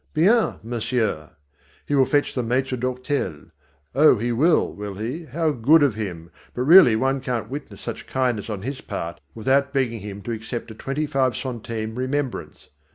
"Bien, monsieur!" He will fetch the maître d'hôtel. Oh, he will, will he, how good of him, but really one can't witness such kindness on his part without begging him to accept a twenty five centime remembrance.